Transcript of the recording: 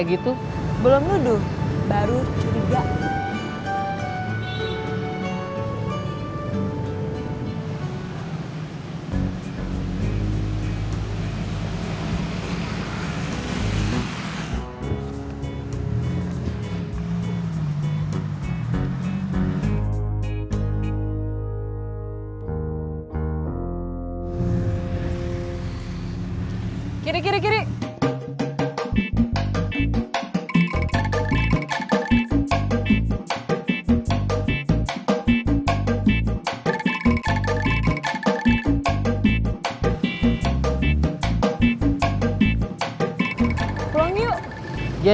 aku mau berusaha